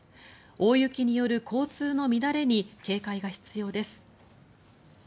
大雪による交通の乱れに警戒が必要です。